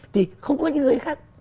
thì không có những người khác